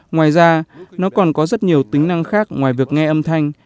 ngoài ra nó còn có rất nhiều tính năng khác ngoài việc nghe âm thanh